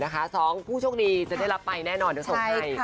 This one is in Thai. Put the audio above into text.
๒คู่ช่วงดีจะได้รับไปแน่นอนเดี๋ยวส่งให้